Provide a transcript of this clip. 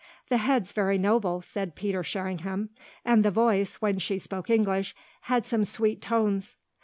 "The head's very noble," said Peter Sherringham. "And the voice, when she spoke English, had some sweet tones."